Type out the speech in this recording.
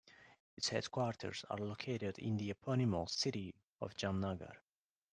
Its headquarters are located in the eponymous city of Jamnagar.